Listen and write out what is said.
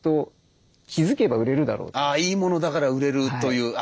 あいいものだから売れるというそうですよね。